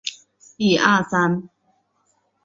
新鳄类是中真鳄类的一个演化支。